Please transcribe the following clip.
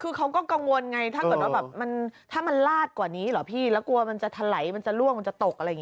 คือเขาก็กังวลไงถ้าเกิดว่าแบบมันถ้ามันลาดกว่านี้เหรอพี่แล้วกลัวมันจะถลายมันจะล่วงมันจะตกอะไรอย่างนี้